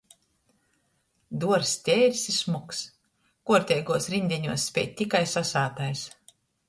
Duorzs teirs i šmuks, kuorteiguos riņdeņuos speid tikai sasātais.